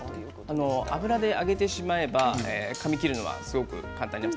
油で揚げてしまえばかみ切るのはすごく簡単です。